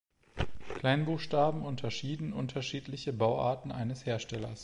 Kleinbuchstaben unterschieden unterschiedliche Bauarten eines Herstellers.